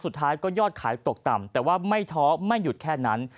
สุดท้ายก็ยอดขายตกต่ำแต่ว่าไม่ท้อไม่หยุดแค่นั้น